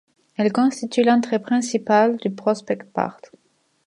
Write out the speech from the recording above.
Elle constitue l'entrée principale de Prospect Park.